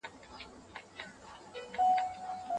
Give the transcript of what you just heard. ایا تاسو د فتح خان او رابعې کیسه اورېدلې؟